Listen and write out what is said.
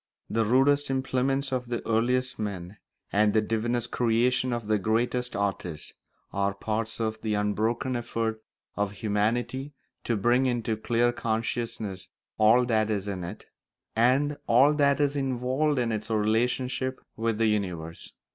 The rudest implements of the earliest men and the divinest creations of the greatest artists are parts of the unbroken effort of humanity to bring into clear consciousness all that is in it, and all that is involved in its relationship with the universe.